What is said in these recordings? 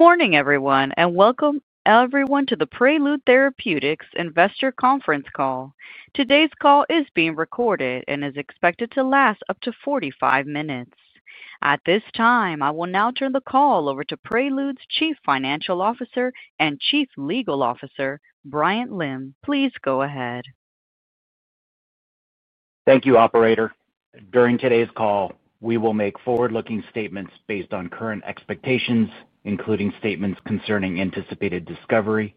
Morning, everyone, and welcome everyone to the Prelude Therapeutics Investor Conference Call. Today's call is being recorded and is expected to last up to 45 minutes. At this time, I will now turn the call over to Prelude's Chief Financial Officer and Chief Legal Officer, Bryant Lim. Please go ahead. Thank you, Operator. During today's call, we will make forward-looking statements based on current expectations, including statements concerning anticipated discovery,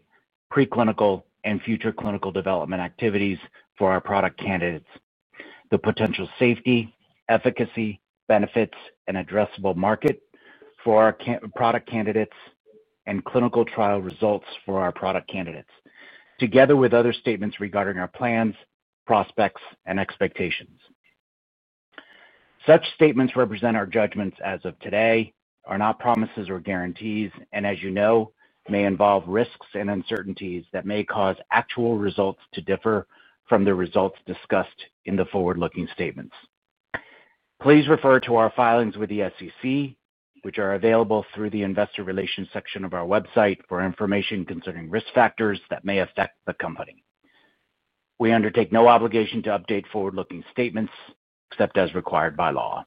preclinical, and future clinical development activities for our product candidates, the potential safety, efficacy, benefits, and addressable market for our product candidates, and clinical trial results for our product candidates, together with other statements regarding our plans, prospects, and expectations. Such statements represent our judgments as of today, are not promises or guarantees, and as you know, may involve risks and uncertainties that may cause actual results to differ from the results discussed in the forward-looking statements. Please refer to our filings with the SEC, which are available through the Investor Relations section of our website for information concerning risk factors that may affect the company. We undertake no obligation to update forward-looking statements except as required by law.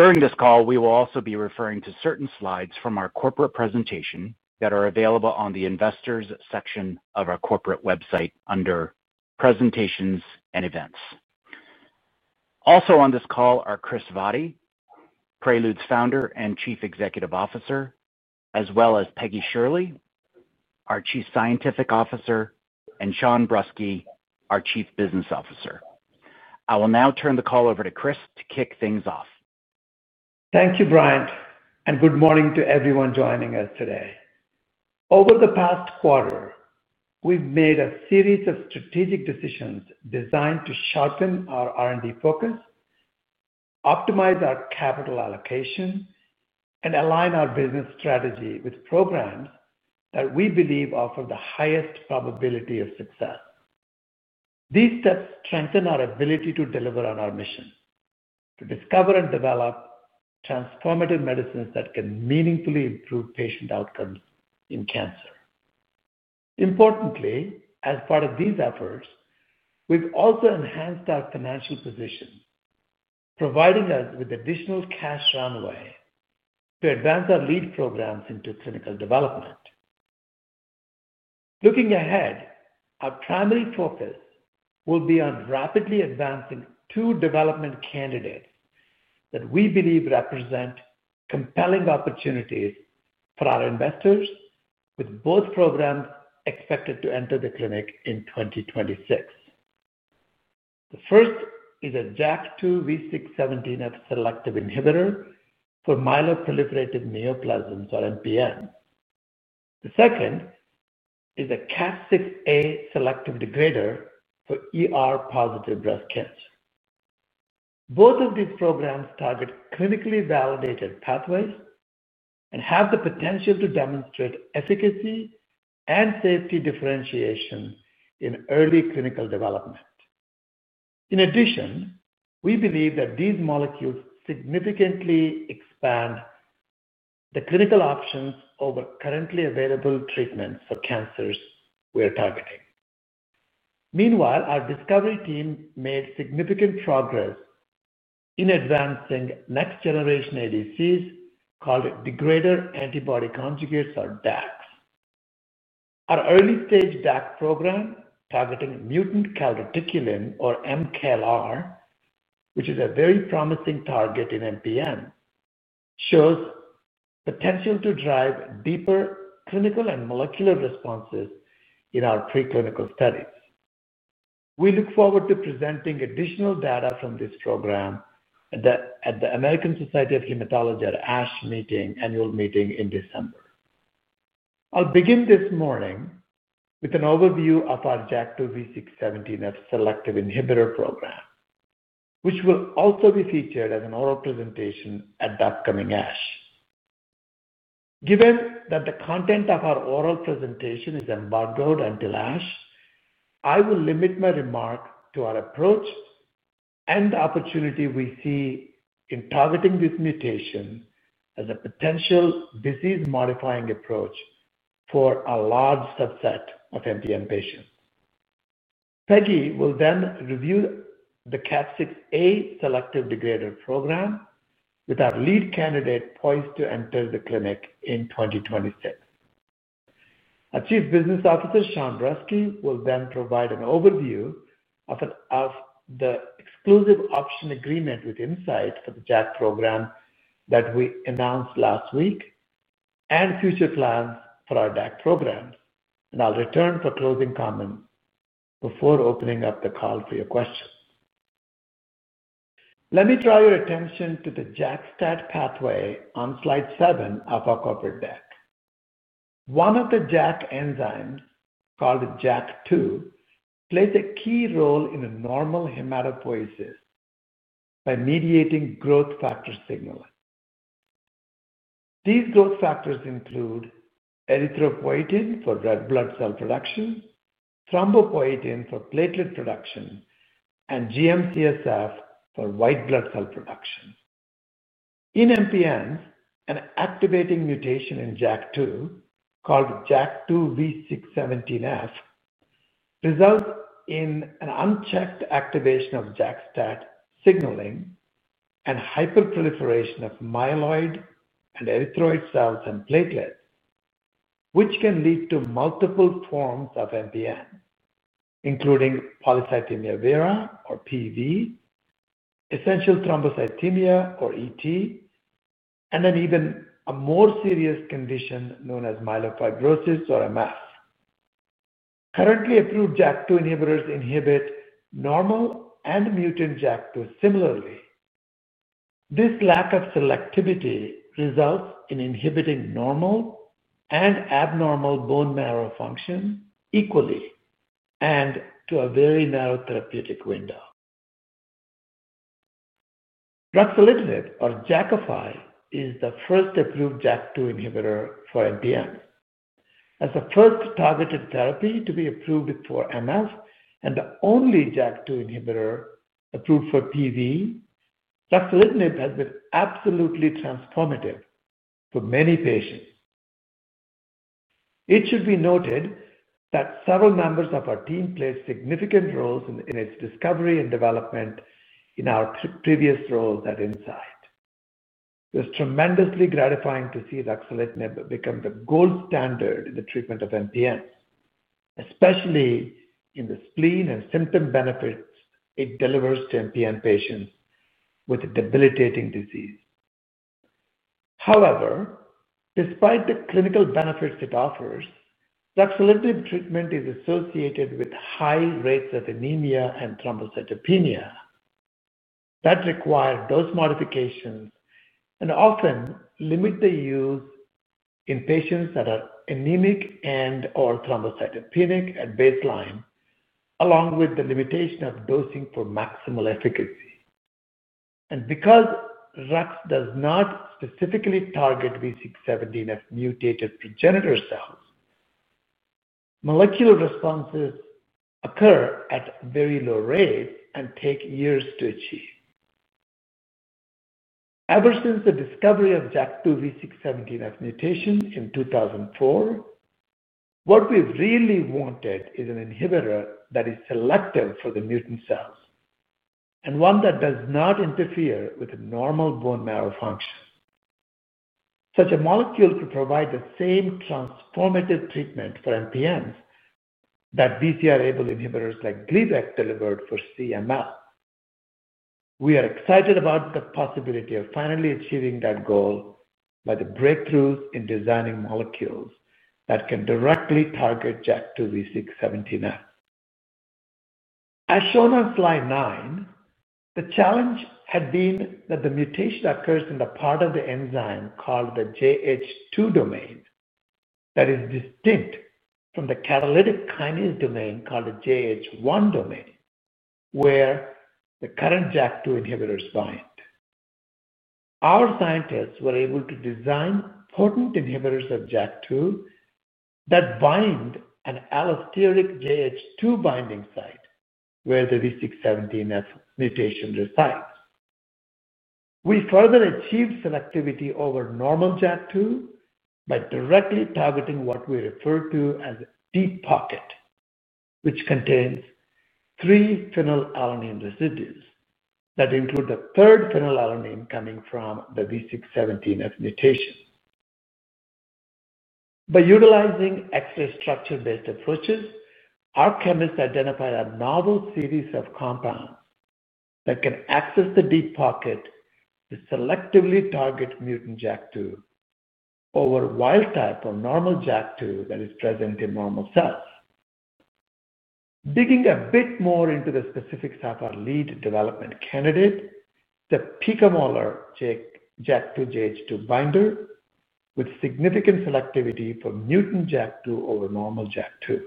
During this call, we will also be referring to certain slides from our corporate presentation that are available on the Investors section of our corporate website under Presentations and Events. Also on this call are Chris Vaddi, Prelude's Founder and Chief Executive Officer, as well as Peggy Shirley, our Chief Scientific Officer, and Sean Brusky, our Chief Business Officer. I will now turn the call over to Chris to kick things off. Thank you, Bryant, and good morning to everyone joining us today. Over the past quarter, we've made a series of strategic decisions designed to sharpen our R&D focus, optimize our capital allocation, and align our business strategy with programs that we believe offer the highest probability of success. These steps strengthen our ability to deliver on our mission to discover and develop transformative medicines that can meaningfully improve patient outcomes in cancer. Importantly, as part of these efforts, we've also enhanced our financial position, providing us with additional cash runway to advance our lead programs into clinical development. Looking ahead, our primary focus will be on rapidly advancing two development candidates that we believe represent compelling opportunities for our investors, with both programs expected to enter the clinic in 2026. The first is a JAK2 V617F selective inhibitor for myeloproliferative neoplasms, or MPN. The second is a KAT6A selective degrader for ER-positive breast cancer. Both of these programs target clinically validated pathways and have the potential to demonstrate efficacy and safety differentiation in early clinical development. In addition, we believe that these molecules significantly expand the clinical options over currently available treatments for cancers we are targeting. Meanwhile, our discovery team made significant progress in advancing next-generation ADCs called degrader antibody conjugates, or DACs. Our early-stage DAC program targeting mutant CALR, which is a very promising target in MPN, shows potential to drive deeper clinical and molecular responses in our preclinical studies. We look forward to presenting additional data from this program at the American Society of Hematology's ASH annual meeting in December. I'll begin this morning with an overview of our JAK2 V617F selective inhibitor program, which will also be featured as an oral presentation at the upcoming ASH. Given that the content of our oral presentation is embargoed until ASH, I will limit my remarks to our approach and the opportunity we see in targeting this mutation as a potential disease-modifying approach for a large subset of MPN patients. Peggy will then review the KAT6A selective degrader program with our lead candidate poised to enter the clinic in 2026. Our Chief Business Officer, Sean Brusky, will then provide an overview of the exclusive option agreement with Incyte for the JAK2 program that we announced last week and future plans for our DAC programs. I will return for closing comments before opening up the call for your questions. Let me draw your attention to the JAK-STAT pathway on slide seven of our corporate deck. One of the JAK enzymes called JAK2 plays a key role in normal hematopoiesis by mediating growth factor signaling. These growth factors include erythropoietin for red blood cell production, thrombopoietin for platelet production, and GM-CSF for white blood cell production. In MPN, an activating mutation in JAK2 called JAK2 V617F results in an unchecked activation of JAK-STAT signaling and hyperproliferation of myeloid and erythroid cells and platelets, which can lead to multiple forms of MPN, including polycythemia vera, or PV, essential thrombocythemia, or ET, and then even a more serious condition known as myelofibrosis, or MF. Currently approved JAK2 inhibitors inhibit normal and mutant JAK2 similarly. This lack of selectivity results in inhibiting normal and abnormal bone marrow function equally and to a very narrow therapeutic window. Drug ruxolitinib, or Jakafi, is the first approved JAK2 inhibitor for MPN. As the first targeted therapy to be approved for MF and the only JAK2 inhibitor approved for PV, ruxolitinib has been absolutely transformative for many patients. It should be noted that several members of our team played significant roles in its discovery and development in our previous roles at Incyte. It was tremendously gratifying to see drug Jakafi become the gold standard in the treatment of MPN, especially in the spleen and symptom benefits it delivers to MPN patients with a debilitating disease. However, despite the clinical benefits it offers, drug Jakafi treatment is associated with high rates of anemia and thrombocytopenia that require dose modifications and often limit the use in patients that are anemic and/or thrombocytopenic at baseline, along with the limitation of dosing for maximal efficacy. Because drugs do not specifically target V617F mutated progenitor cells, molecular responses occur at very low rates and take years to achieve. Ever since the discovery of JAK2 V617F mutation in 2004, what we've really wanted is an inhibitor that is selective for the mutant cells and one that does not interfere with normal bone marrow function. Such a molecule could provide the same transformative treatment for MPNs that BCR-ABL inhibitors like Gleevec delivered for CML. We are excited about the possibility of finally achieving that goal by the breakthroughs in designing molecules that can directly target JAK2 V617F. As shown on slide nine, the challenge had been that the mutation occurs in the part of the enzyme called the JH2 domain that is distinct from the catalytic kinase domain called the JH1 domain, where the current JAK2 inhibitors bind. Our scientists were able to design potent inhibitors of JAK2 that bind an allosteric JH2 binding site where the V617F mutation resides. We further achieved selectivity over normal JAK2 by directly targeting what we refer to as a deep pocket, which contains three phenylalanine residues that include the third phenylalanine coming from the V617F mutation. By utilizing extra structure-based approaches, our chemists identified a novel series of compounds that can access the deep pocket to selectively target mutant JAK2 over wild-type or normal JAK2 that is present in normal cells. Digging a bit more into the specifics of our lead development candidate, the PICA-MOLR JAK2 JH2 binder with significant selectivity for mutant JAK2 over normal JAK2.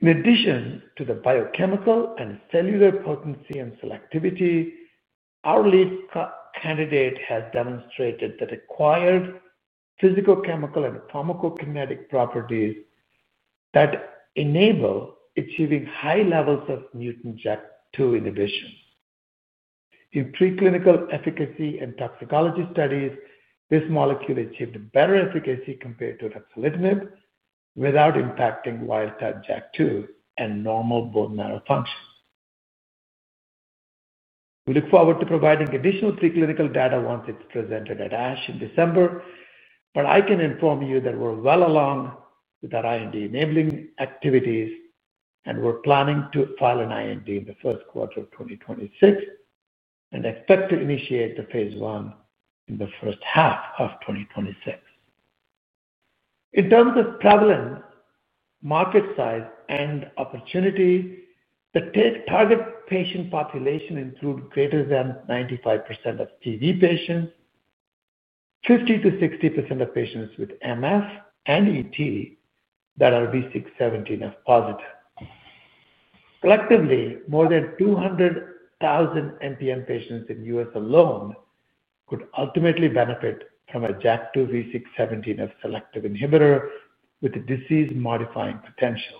In addition to the biochemical and cellular potency and selectivity, our lead candidate has demonstrated the required physicochemical and pharmacokinetic properties that enable achieving high levels of mutant JAK2 inhibition. In preclinical efficacy and toxicology studies, this molecule achieved better efficacy compared to drug selutinib without impacting wild-type JAK2 and normal bone marrow function. We look forward to providing additional preclinical data once it's presented at ASH in December, but I can inform you that we're well along with our IND enabling activities, and we're planning to file an IND in the first quarter of 2026 and expect to initiate the phase one in the first half of 2026. In terms of prevalence, market size, and opportunity, the target patient population includes greater than 95% of PV patients, 50%-60% of patients with MF and ET that are V617F positive. Collectively, more than 200,000 MPN patients in the US alone could ultimately benefit from a JAK2 V617F selective inhibitor with disease-modifying potential.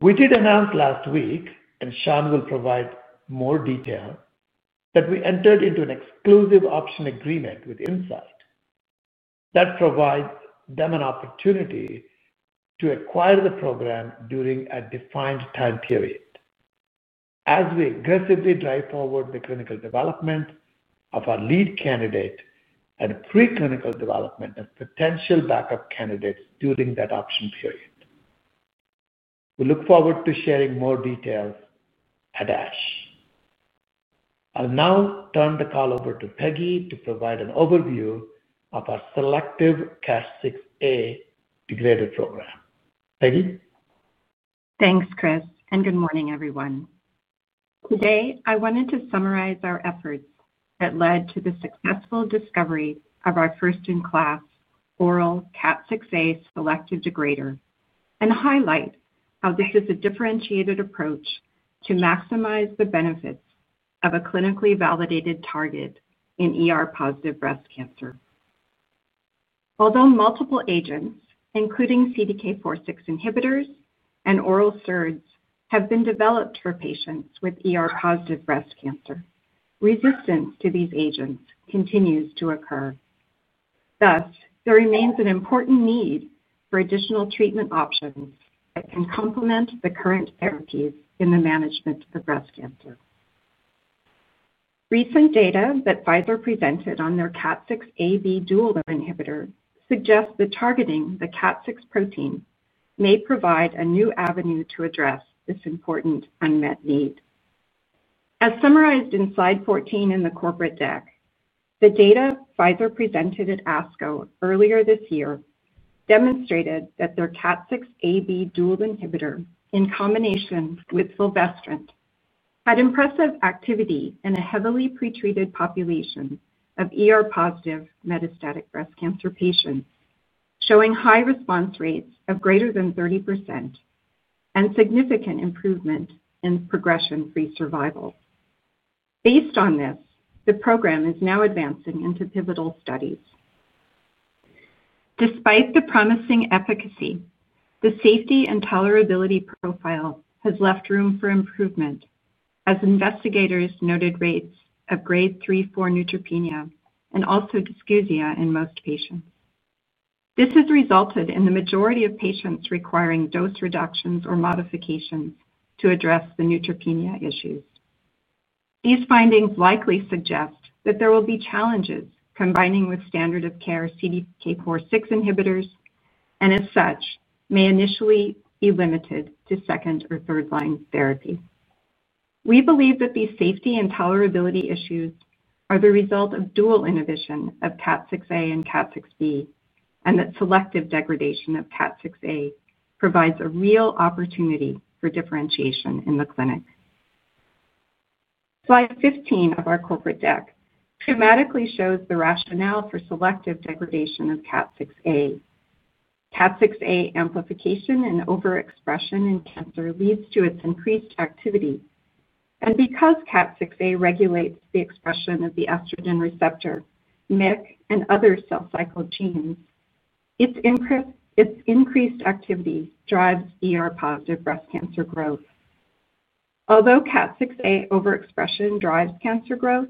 We did announce last week, and Sean will provide more detail, that we entered into an exclusive option agreement with Incyte that provides them an opportunity to acquire the program during a defined time period as we aggressively drive forward the clinical development of our lead candidate and preclinical development of potential backup candidates during that option period. We look forward to sharing more details at ASH. I'll now turn the call over to Peggy to provide an overview of our selective KAT6A degrader program. Peggy? Thanks, Chris, and good morning, everyone. Today, I wanted to summarize our efforts that led to the successful discovery of our first-in-class oral KAT6A selective degrader and highlight how this is a differentiated approach to maximize the benefits of a clinically validated target in ER-positive breast cancer. Although multiple agents, including CDK4/6 inhibitors and oral SERDs, have been developed for patients with ER-positive breast cancer, resistance to these agents continues to occur. Thus, there remains an important need for additional treatment options that can complement the current therapies in the management of breast cancer. Recent data that Pfizer presented on their KAT6A/B dual inhibitor suggests that targeting the KAT6 protein may provide a new avenue to address this important unmet need. As summarized in slide 14 in the corporate deck, the data Pfizer presented at ASCO earlier this year demonstrated that their CDK6AB dual inhibitor in combination with fulvestrant had impressive activity in a heavily pretreated population of ER-positive metastatic breast cancer patients, showing high response rates of greater than 30% and significant improvement in progression-free survival. Based on this, the program is now advancing into pivotal studies. Despite the promising efficacy, the safety and tolerability profile has left room for improvement, as investigators noted rates of grade 3/4 neutropenia and also dysgeusia in most patients. This has resulted in the majority of patients requiring dose reductions or modifications to address the neutropenia issues. These findings likely suggest that there will be challenges combining with standard of care CDK4/6 inhibitors and, as such, may initially be limited to second or third-line therapy. We believe that these safety and tolerability issues are the result of dual inhibition of KAT6A and KAT6B and that selective degradation of KAT6A provides a real opportunity for differentiation in the clinic. Slide 15 of our corporate deck thematically shows the rationale for selective degradation of KAT6A. KAT6A amplification and overexpression in cancer leads to its increased activity. Because KAT6A regulates the expression of the estrogen receptor, MYC, and other cell cycle genes, its increased activity drives ER-positive breast cancer growth. Although KAT6A overexpression drives cancer growth,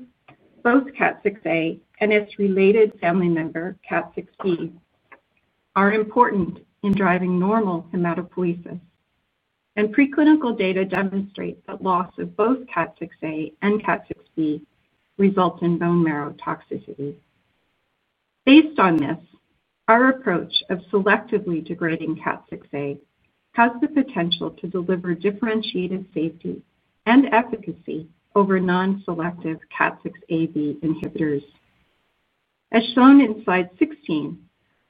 both KAT6A and its related family member, KAT6B, are important in driving normal hematopoiesis. Preclinical data demonstrate that loss of both KAT6A and KAT6B results in bone marrow toxicity. Based on this, our approach of selectively degrading KAT6A has the potential to deliver differentiated safety and efficacy over non-selective KAT6AB inhibitors. As shown in slide 16,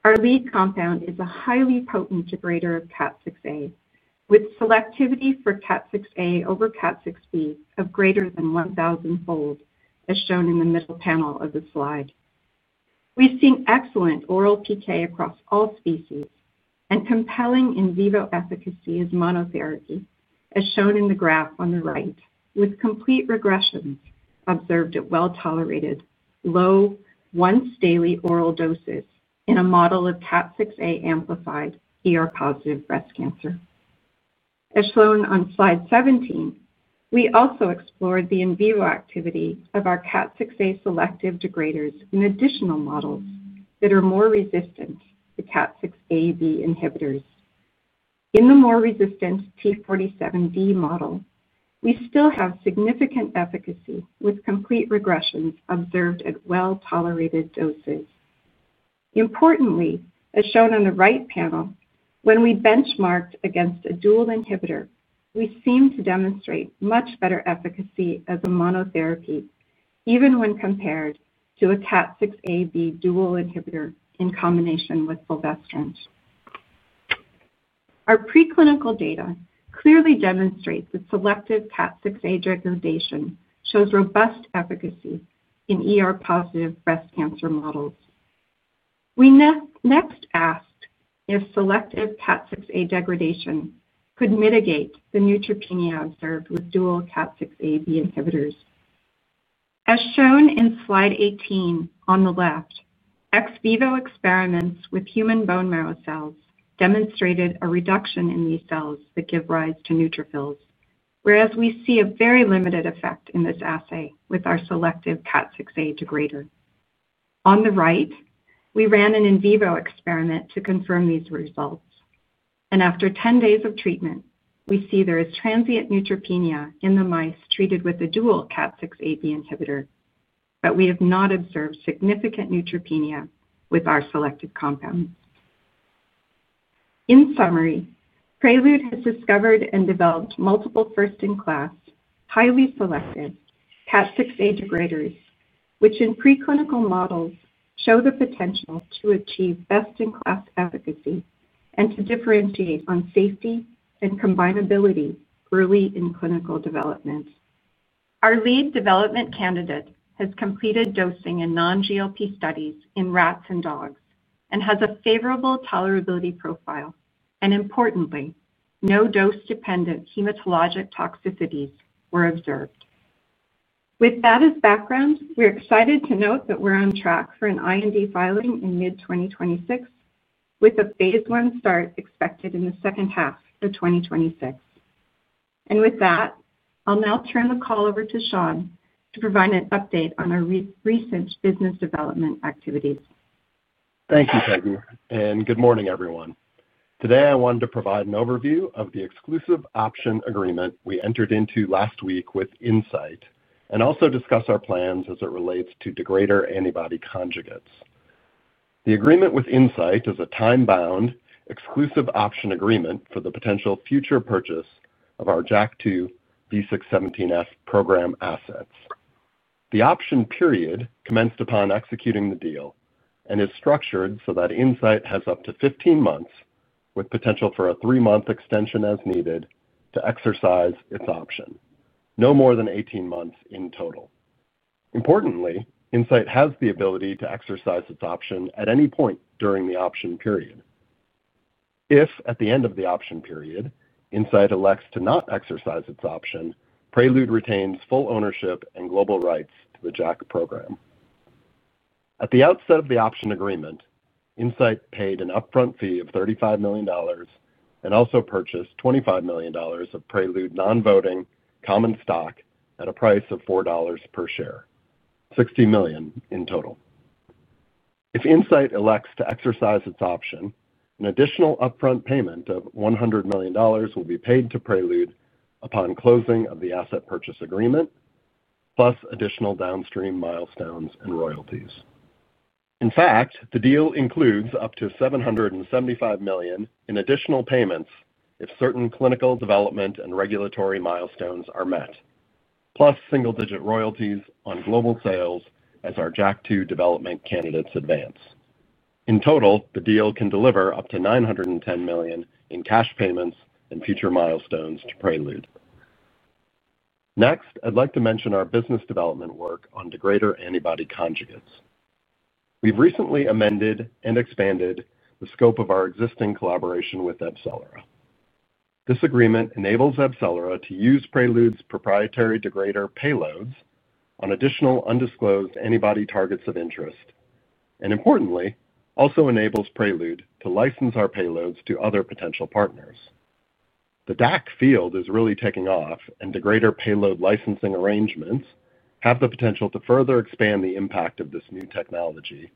our lead compound is a highly potent degrader of KAT6A, with selectivity for KAT6A over KAT6B of greater than 1,000-fold, as shown in the middle panel of the slide. We've seen excellent oral PK across all species and compelling in vivo efficacy as monotherapy, as shown in the graph on the right, with complete regressions observed at well-tolerated low once-daily oral doses in a model of KAT6A-amplified ER-positive breast cancer. As shown on slide 17, we also explored the in vivo activity of our KAT6A selective degraders in additional models that are more resistant to CDK4/6 inhibitors. In the more resistant T47D model, we still have significant efficacy with complete regressions observed at well-tolerated doses. Importantly, as shown on the right panel, when we benchmarked against a dual inhibitor, we seem to demonstrate much better efficacy as a monotherapy, even when compared to a CDK4/6 dual inhibitor in combination with fulvestrant. Our preclinical data clearly demonstrates that selective KAT6A degradation shows robust efficacy in ER-positive breast cancer models. We next asked if selective KAT6A degradation could mitigate the neutropenia observed with dual CDK4/6 inhibitors. As shown in slide 18 on the left, ex vivo experiments with human bone marrow cells demonstrated a reduction in these cells that give rise to neutrophils, whereas we see a very limited effect in this assay with our selective KAT6A degrader. On the right, we ran an in vivo experiment to confirm these results. After 10 days of treatment, we see there is transient neutropenia in the mice treated with a dual KAT6A/B inhibitor, but we have not observed significant neutropenia with our selective compounds. In summary, Prelude has discovered and developed multiple first-in-class, highly selective KAT6A degraders, which in preclinical models show the potential to achieve best-in-class efficacy and to differentiate on safety and combinability early in clinical development. Our lead development candidate has completed dosing in non-GLP studies in rats and dogs and has a favorable tolerability profile. Importantly, no dose-dependent hematologic toxicities were observed. With that as background, we're excited to note that we're on track for an IND filing in mid-2026, with a phase one start expected in the second half of 2026. With that, I'll now turn the call over to Sean to provide an update on our recent business development activities. Thank you, Peggy. Good morning, everyone. Today, I wanted to provide an overview of the exclusive option agreement we entered into last week with Incyte and also discuss our plans as it relates to degrader antibody conjugates. The agreement with Incyte is a time-bound exclusive option agreement for the potential future purchase of our JAK2 V617F program assets. The option period commenced upon executing the deal and is structured so that Incyte has up to 15 months, with potential for a three-month extension as needed to exercise its option, no more than 18 months in total. Importantly, Incyte has the ability to exercise its option at any point during the option period. If at the end of the option period, Incyte elects to not exercise its option, Prelude retains full ownership and global rights to the JAK2 program. At the outset of the option agreement, Incyte paid an upfront fee of $35 million and also purchased $25 million of Prelude non-voting common stock at a price of $4 per share, $60 million in total. If Incyte elects to exercise its option, an additional upfront payment of $100 million will be paid to Prelude upon closing of the asset purchase agreement, plus additional downstream milestones and royalties. In fact, the deal includes up to $775 million in additional payments if certain clinical development and regulatory milestones are met, plus single-digit royalties on global sales as our JAK2 development candidates advance. In total, the deal can deliver up to $910 million in cash payments and future milestones to Prelude. Next, I'd like to mention our business development work on degrader antibody conjugates. We've recently amended and expanded the scope of our existing collaboration with Exselera. This agreement enables Exselera to use Prelude's proprietary degrader payloads on additional undisclosed antibody targets of interest and, importantly, also enables Prelude to license our payloads to other potential partners. The DAC field is really taking off, and degrader payload licensing arrangements have the potential to further expand the impact of this new technology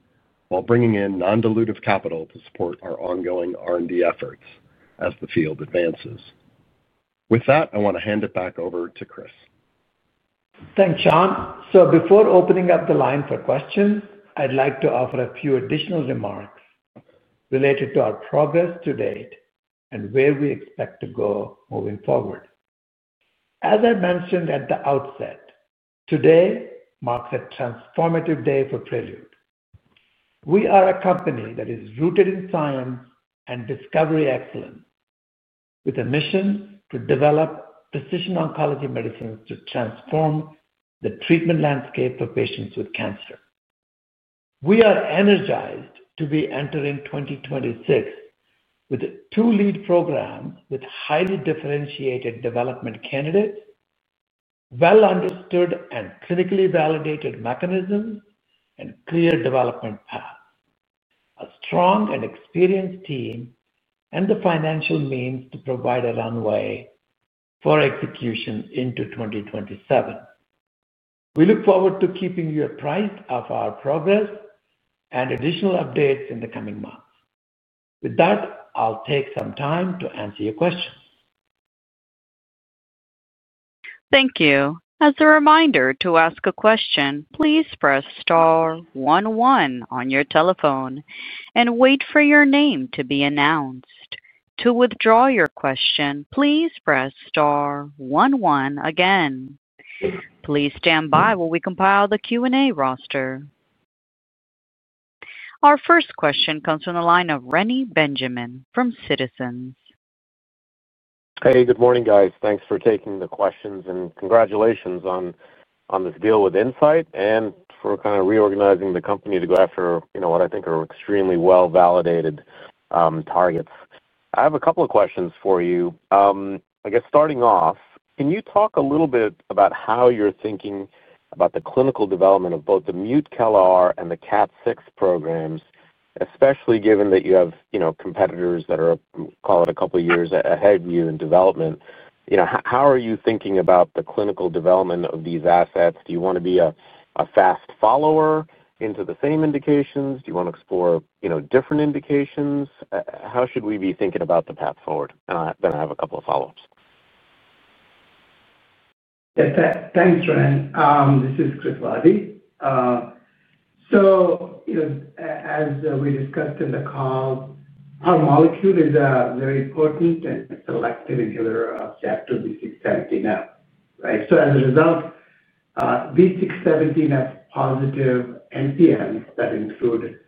while bringing in non-dilutive capital to support our ongoing R&D efforts as the field advances. With that, I want to hand it back over to Chris. Thanks, Sean. Before opening up the line for questions, I'd like to offer a few additional remarks related to our progress to date and where we expect to go moving forward. As I mentioned at the outset, today marks a transformative day for Prelude. We are a company that is rooted in science and discovery excellence, with a mission to develop precision oncology medicines to transform the treatment landscape for patients with cancer. We are energized to be entering 2026 with two lead programs with highly differentiated development candidates, well-understood and clinically validated mechanisms, and clear development paths, a strong and experienced team, and the financial means to provide a runway for execution into 2027. We look forward to keeping you apprised of our progress and additional updates in the coming months. With that, I'll take some time to answer your questions. Thank you. As a reminder to ask a question, please press star 11 on your telephone and wait for your name to be announced. To withdraw your question, please press star 11 again. Please stand by while we compile the Q&A roster. Our first question comes from the line of Rennie Benjamin from Citizens. Hey, good morning, guys. Thanks for taking the questions and congratulations on this deal with Incyte and for kind of reorganizing the company to go after what I think are extremely well-validated targets. I have a couple of questions for you. I guess starting off, can you talk a little bit about how you're thinking about the clinical development of both the mutant CALR and the KAT6A programs, especially given that you have competitors that are, call it, a couple of years ahead of you in development? How are you thinking about the clinical development of these assets? Do you want to be a fast follower into the same indications? Do you want to explore different indications? How should we be thinking about the path forward? I have a couple of follow-ups. Thanks, Ryan. This is Chris Vaddi. As we discussed in the call, our molecule is very important and selective in JAK2 V617F. As a result, V617F-positive MPNs that include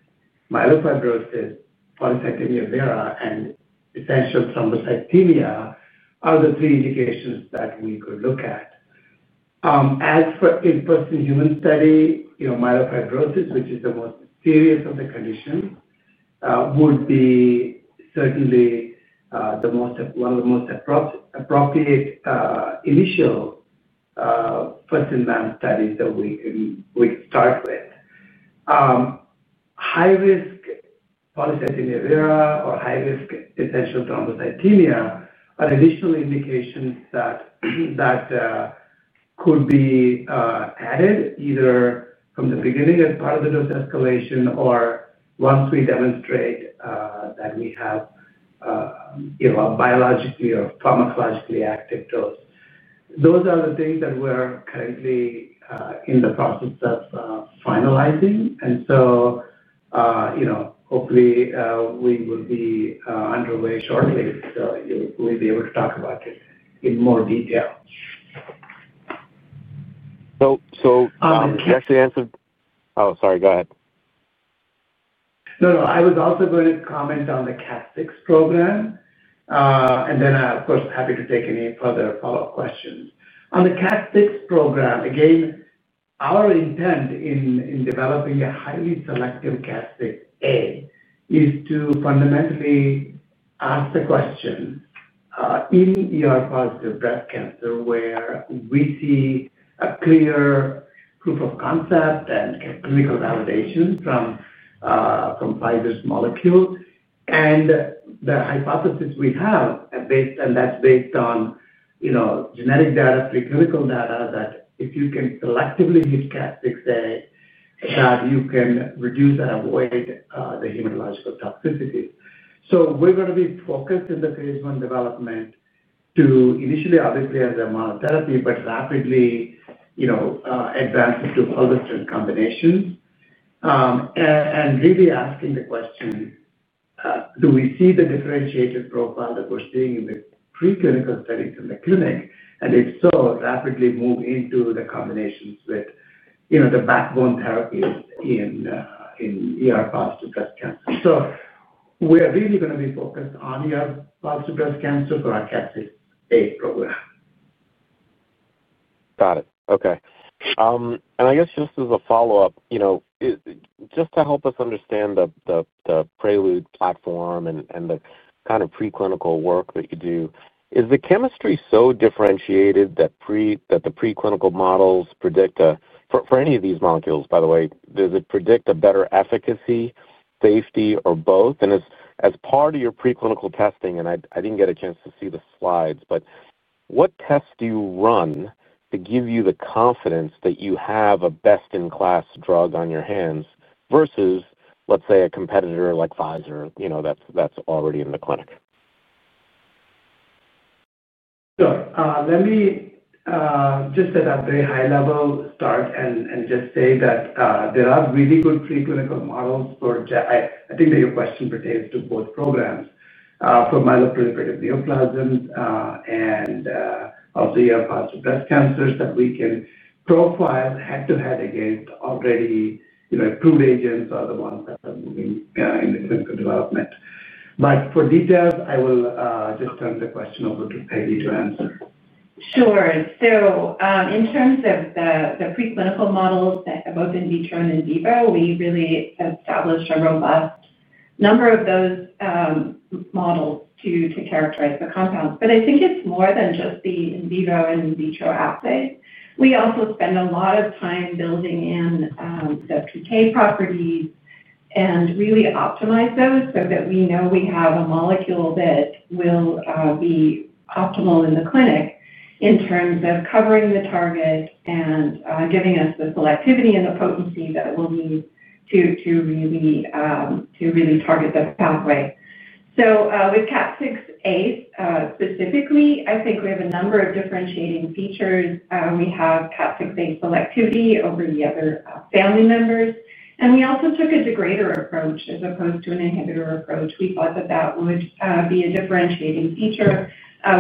myelofibrosis, polycythemia vera, and essential thrombocythemia are the three indications that we could look at. As for in-person human study, myelofibrosis, which is the most serious of the conditions, would be certainly one of the most appropriate initial first-in-man studies that we could start with. High-risk polycythemia vera or high-risk essential thrombocythemia are additional indications that could be added either from the beginning as part of the dose escalation or once we demonstrate that we have a biologically or pharmacologically active dose. Those are the things that we're currently in the process of finalizing. Hopefully, we will be underway shortly. We will be able to talk about it in more detail. Did you actually answer? Oh, sorry. Go ahead. No, no. I was also going to comment on the KAT6A program. And then, of course, happy to take any further follow-up questions. On the KAT6A program, again, our intent in developing a highly selective KAT6A is to fundamentally ask the question in ER-positive breast cancer where we see a clear proof of concept and clinical validation from Pfizer's molecule. The hypothesis we have is based on genetic data, preclinical data, that if you can selectively use KAT6A, that you can reduce and avoid the hematological toxicity. We are going to be focused in the phase one development to initially, obviously, as a monotherapy, but rapidly advance it to fulvestrant combinations and really asking the question, do we see the differentiated profile that we are seeing in the preclinical studies in the clinic? If so, rapidly move into the combinations with the backbone therapies in ER-positive breast cancer. We are really going to be focused on ER-positive breast cancer for our KAT6A program. Got it. Okay. I guess just as a follow-up, just to help us understand the Prelude platform and the kind of preclinical work that you do, is the chemistry so differentiated that the preclinical models predict a—for any of these molecules, by the way, does it predict a better efficacy, safety, or both? As part of your preclinical testing, and I did not get a chance to see the slides, what tests do you run to give you the confidence that you have a best-in-class drug on your hands versus, let's say, a competitor like Pfizer that is already in the clinic? Let me just at a very high level start and just say that there are really good preclinical models for—I think that your question pertains to both programs, for myeloproliferative neoplasms and also ER-positive breast cancers that we can profile head-to-head against already approved agents or the ones that are moving in the clinical development. For details, I will just turn the question over to Peggy to answer. Sure. In terms of the preclinical models, both in vitro and in vivo, we really established a robust number of those models to characterize the compounds. I think it's more than just the in vivo and in vitro assays. We also spend a lot of time building in the PK properties and really optimize those so that we know we have a molecule that will be optimal in the clinic in terms of covering the target and giving us the selectivity and the potency that we'll need to really target the pathway. With KAT6A specifically, I think we have a number of differentiating features. We have KAT6A selectivity over the other family members. We also took a degrader approach as opposed to an inhibitor approach. We thought that that would be a differentiating feature.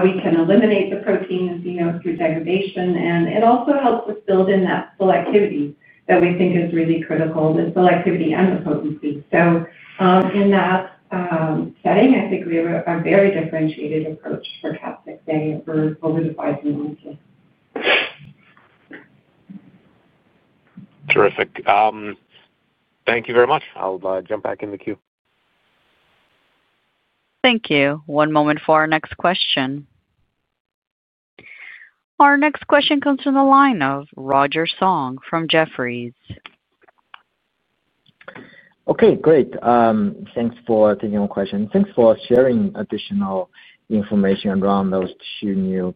We can eliminate the protein through degradation. It also helps us build in that selectivity that we think is really critical, the selectivity and the potency. In that setting, I think we have a very differentiated approach for KAT6A over the Pfizer molecule. Terrific. Thank you very much. I'll jump back in the queue. Thank you. One moment for our next question. Our next question comes from the line of Roger Song from Jefferies. Okay. Great. Thanks for taking my question. Thanks for sharing additional information around those two new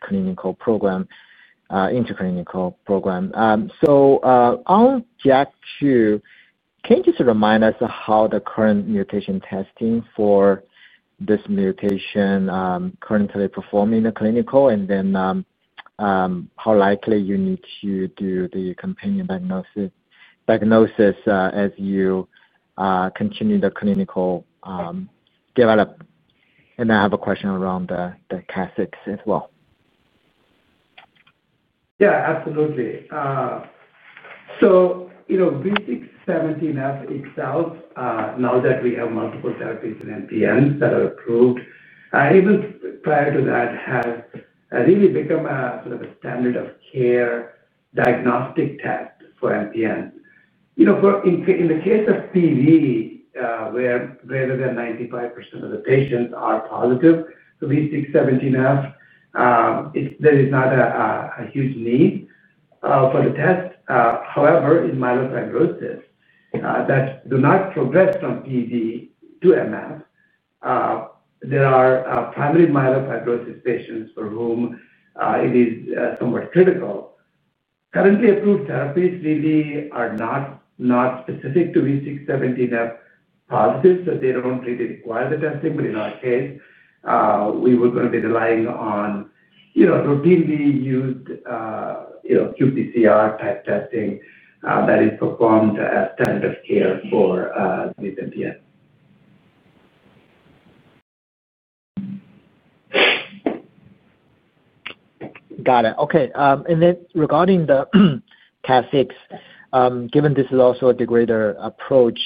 clinical programs, interclinical programs. On JAK2, can you just remind us how the current mutation testing for this mutation is currently performing in the clinical, and then how likely you need to do the companion diagnosis as you continue the clinical development? I have a question around the KAT6A as well. Yeah, absolutely. V617F itself, now that we have multiple therapies in MPNs that are approved, even prior to that, has really become a sort of a standard of care diagnostic test for MPNs. In the case of PV, where greater than 95% of the patients are positive for V617F, there is not a huge need for the test. However, in myelofibrosis that do not progress from PV to MF, there are primary myelofibrosis patients for whom it is somewhat critical. Currently, approved therapies really are not specific to V617F positive, so they do not really require the testing. In our case, we were going to be relying on routinely used qPCR-type testing that is performed as standard of care for these MPNs. Got it. Okay. Regarding the KAT6A, given this is also a degrader approach,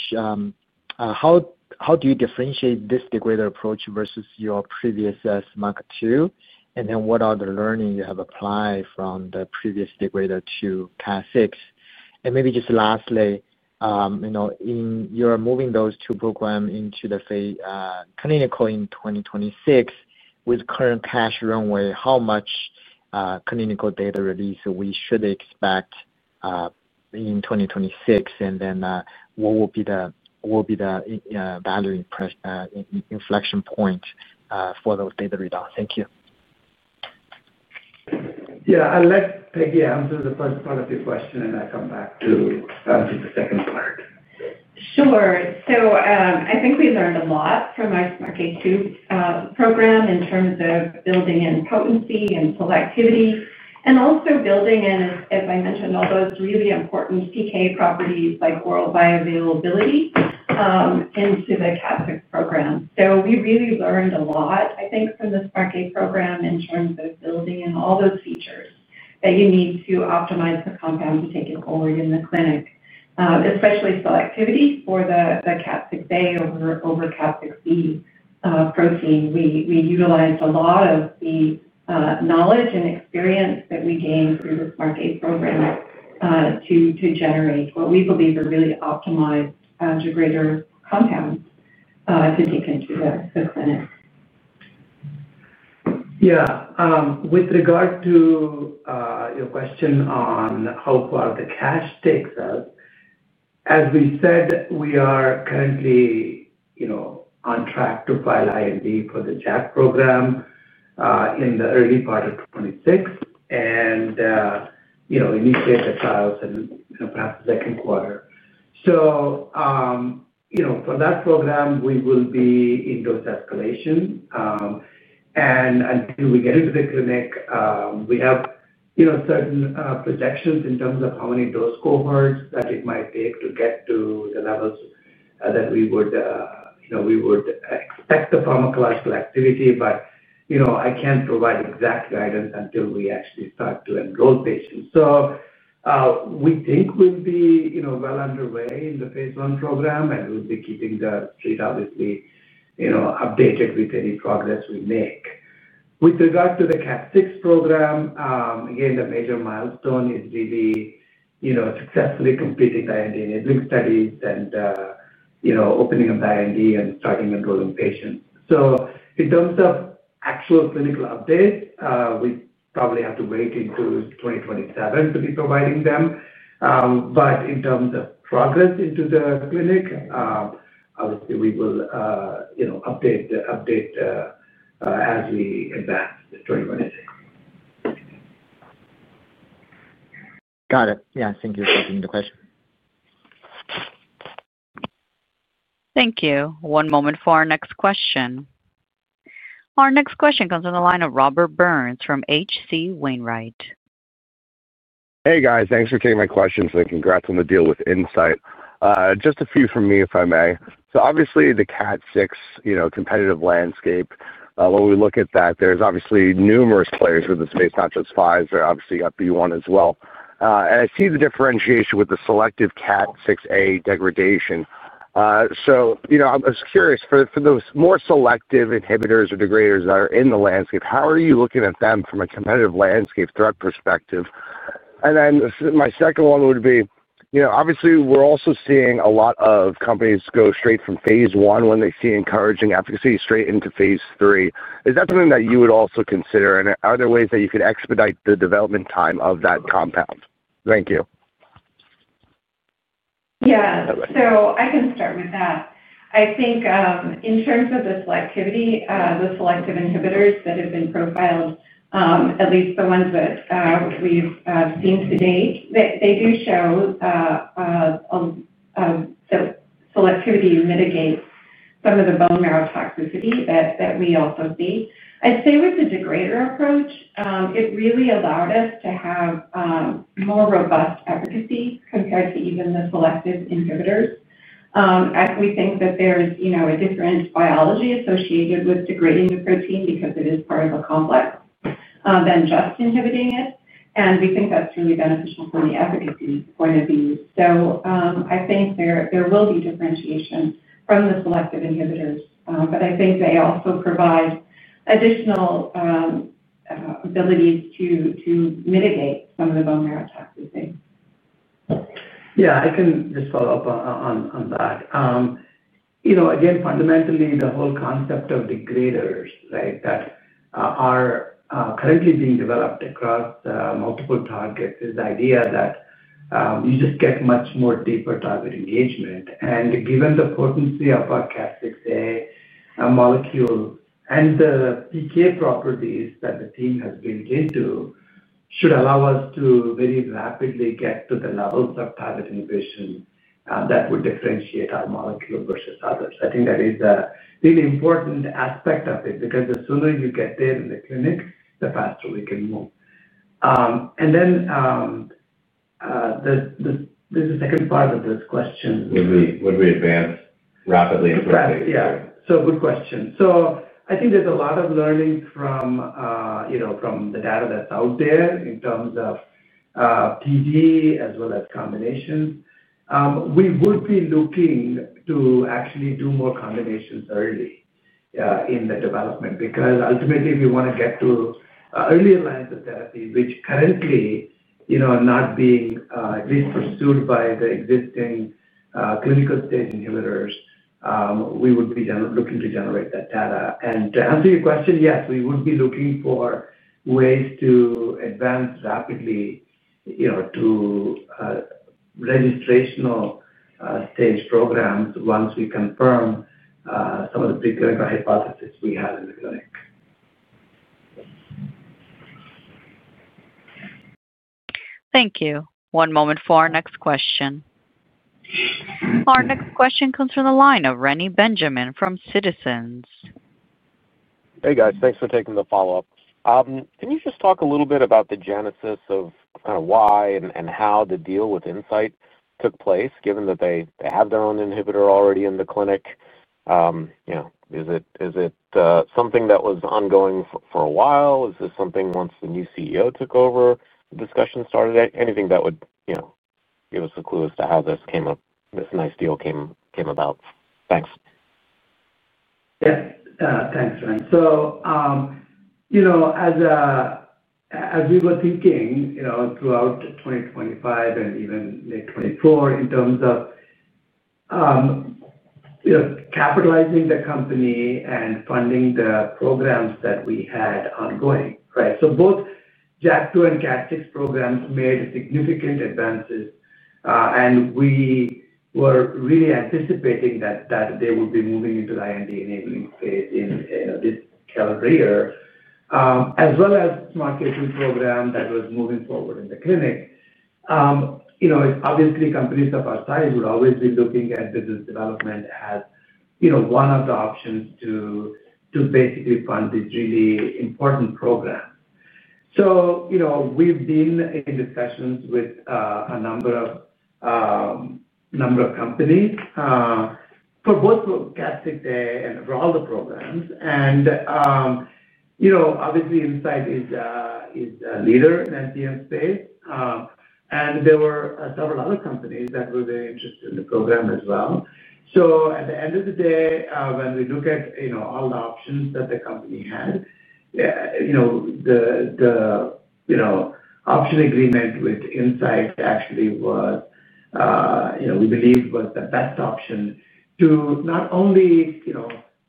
how do you differentiate this degrader approach versus your previous SMARCA2? What are the learnings you have applied from the previous degrader to KAT6A? Maybe just lastly, in your moving those two programs into the clinical in 2026, with current cash runway, how much clinical data release should we expect in 2026? What will be the value inflection point for those data readouts? Thank you. Yeah. I'll let Peggy answer the first part of your question, and I'll come back to the second part. Sure. I think we learned a lot from our SMARCA2 program in terms of building in potency and selectivity and also building in, as I mentioned, all those really important PK properties like oral bioavailability into the KAT6A program. We really learned a lot, I think, from the SMARCA2 program in terms of building in all those features that you need to optimize the compound to take it forward in the clinic, especially selectivity for the KAT6A over KAT6B protein. We utilized a lot of the knowledge and experience that we gained through the SMARCA2 program to generate what we believe are really optimized degrader compounds to take into the clinic. Yeah. With regard to your question on how far the cash takes us, as we said, we are currently on track to file IND for the JAK program in the early part of 2026 and initiate the trials in perhaps the second quarter. For that program, we will be in dose escalation. Until we get into the clinic, we have certain projections in terms of how many dose cohorts that it might take to get to the levels that we would expect the pharmacological activity. I can't provide exact guidance until we actually start to enroll patients. We think we'll be well underway in the phase one program, and we'll be keeping the street, obviously, updated with any progress we make. With regard to the KAT6A program, again, the major milestone is really successfully completing the IND enabling studies and opening up the IND and starting enrolling patients. In terms of actual clinical updates, we probably have to wait into 2027 to be providing them. In terms of progress into the clinic, obviously, we will update as we advance to 2026. Got it. Yeah. Thank you for taking the question. Thank you. One moment for our next question. Our next question comes on the line of Robert Burns from HC Wainwright. Hey, guys. Thanks for taking my questions. And congrats on the deal with Incyte. Just a few from me, if I may. So obviously, the KAT6A competitive landscape, when we look at that, there's obviously numerous players in the space, not just Pfizer. Obviously, you got B1 as well. And I see the differentiation with the selective KAT6A degradation. So I was curious, for those more selective inhibitors or degraders that are in the landscape, how are you looking at them from a competitive landscape threat perspective? And then my second one would be, obviously, we're also seeing a lot of companies go straight from phase one when they see encouraging efficacy straight into phase three. Is that something that you would also consider? And are there ways that you could expedite the development time of that compound? Thank you. Yeah. I can start with that. I think in terms of the selectivity, the selective inhibitors that have been profiled, at least the ones that we've seen to date, they do show that selectivity mitigates some of the bone marrow toxicity that we also see. I'd say with the degrader approach, it really allowed us to have more robust efficacy compared to even the selective inhibitors. We think that there's a different biology associated with degrading the protein because it is part of a complex than just inhibiting it. We think that's really beneficial from the efficacy point of view. I think there will be differentiation from the selective inhibitors. I think they also provide additional abilities to mitigate some of the bone marrow toxicity. Yeah. I can just follow up on that. Again, fundamentally, the whole concept of degraders, right, that are currently being developed across multiple targets is the idea that you just get much more deeper target engagement. And given the potency of our KAT6A molecule and the PK properties that the team has built into it, it should allow us to very rapidly get to the levels of target inhibition that would differentiate our molecule versus others. I think that is a really important aspect of it because the sooner you get there in the clinic, the faster we can move. And then there's a second part of this question. Would we advance rapidly and quickly? Correct. Yeah. Good question. I think there is a lot of learning from the data that is out there in terms of PD as well as combinations. We would be looking to actually do more combinations early in the development because ultimately, we want to get to early alignment therapy, which currently are not being at least pursued by the existing clinical-stage inhibitors. We would be looking to generate that data. To answer your question, yes, we would be looking for ways to advance rapidly to registrational-stage programs once we confirm some of the preclinical hypotheses we have in the clinic. Thank you. One moment for our next question. Our next question comes from the line of Rennie Benjamin from Citizens. Hey, guys. Thanks for taking the follow-up. Can you just talk a little bit about the genesis of kind of why and how the deal with Incyte took place, given that they have their own inhibitor already in the clinic? Is it something that was ongoing for a while? Is this something once the new CEO took over, the discussion started? Anything that would give us a clue as to how this nice deal came about? Thanks. Yeah. Thanks. As we were thinking throughout 2025 and even late 2024 in terms of capitalizing the company and funding the programs that we had ongoing, right? Both JAK2 and KAT6A programs made significant advances. We were really anticipating that they would be moving into the IND enabling phase in this calendar year, as well as the SMARCA2 program that was moving forward in the clinic. Obviously, companies of our size would always be looking at business development as one of the options to basically fund these really important programs. We have been in discussions with a number of companies for both KAT6A and for all the programs. Obviously, Incyte is a leader in the MPN space. There were several other companies that were very interested in the program as well. At the end of the day, when we look at all the options that the company had, the option agreement with Incyte actually was, we believed, was the best option to not only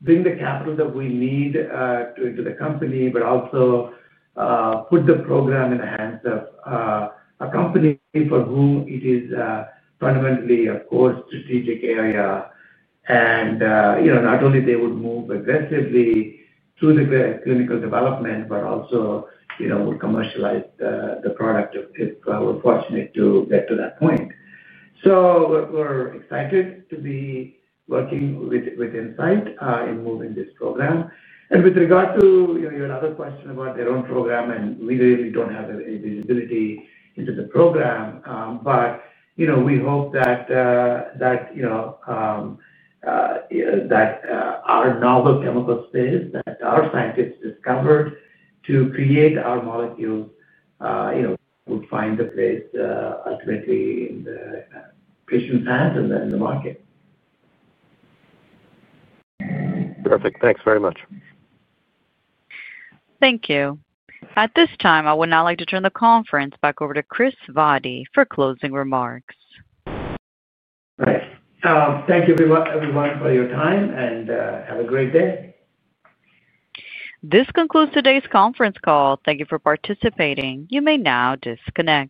bring the capital that we need into the company, but also put the program in the hands of a company for whom it is fundamentally, of course, a strategic area. Not only would they move aggressively through the clinical development, but also would commercialize the product if we're fortunate to get to that point. We're excited to be working with Incyte in moving this program. With regard to your other question about their own program, we really do not have any visibility into the program, but we hope that our novel chemical space that our scientists discovered to create our molecules would find a place ultimately in the patient's hands and then in the market. Perfect. Thanks very much. Thank you. At this time, I would now like to turn the conference back over to Chris Vaddi for closing remarks. All right. Thank you, everyone, for your time, and have a great day. This concludes today's conference call. Thank you for participating. You may now disconnect.